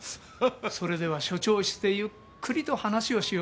それでは署長室でゆっくりと話をしようか。